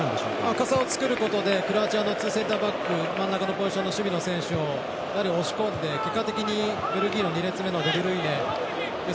深さを作ることでクロアチアのツーセンターバック真ん中の中心の守備の選手を押し込んで結果的にベルギーの２列目のデブルイネ。